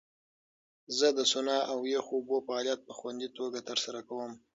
زه د سونا او یخو اوبو فعالیت په خوندي توګه ترسره کوم.